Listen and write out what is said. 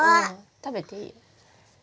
食べていいよ。